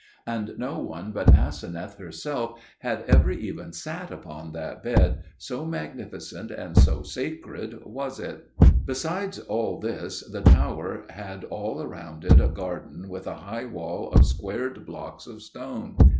And no one but Aseneth herself had ever even sat upon that bed, so magnificent and so sacred was it. Besides all this, the tower had all around it a garden with a high wall of squared blocks of stone.